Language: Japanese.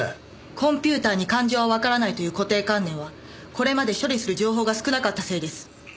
コンピューターに感情はわからないという固定観念はこれまで処理する情報が少なかったせいです。